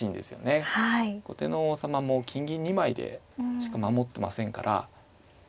後手の王様も金銀２枚でしか守ってませんから。